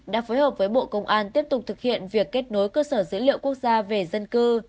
đã phối hợp với bộ công an tiếp tục thực hiện việc kết nối cơ sở dữ liệu quốc gia về dân cư